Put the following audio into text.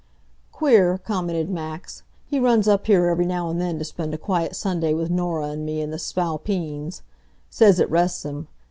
"Queer," commented Max, "he runs up here every now and then to spend a quiet Sunday with Norah and me and the Spalpeens. Says it rests him.